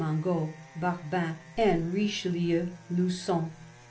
Mangot, Barbin, and Richelieu Lugon). .